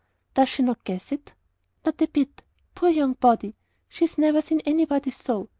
"Does she not guess it?" "Not a bit. Poor young body! she's never seen anybody so.